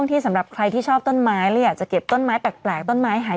ทำไมตอนนั้นหมื่นหหมื่นไม่ขายกันไปน้ะลูก